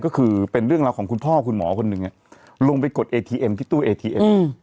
ก็คือเป็นเรื่องราวของคุณพ่อคุณหมอคนหนึ่งลงไปกดเอทีเอ็มที่ตู้เอทีเอ็ม